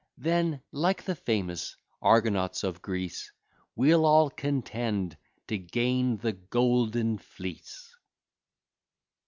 Then, like the famous Argonauts of Greece, We'll all contend to gain the Golden Fleece!